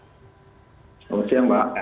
selamat siang pak